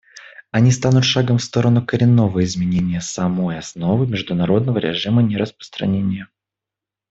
Они станут шагом в сторону коренного изменения самой основы международного режима нераспространения.